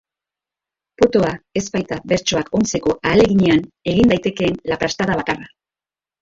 Potoa ez baita bertsoak ontzeko ahaleginean egin daitekeen laprastada bakarra.